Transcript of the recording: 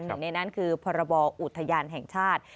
หนึ่งในนั้นคือพรบอุทยานแห่งชาติ